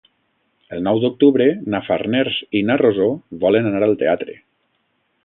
El nou d'octubre na Farners i na Rosó volen anar al teatre.